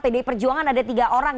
pdi perjuangan ada tiga orang